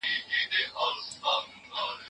تاسو به د رښتیا موندلو په لټه کي اوسئ.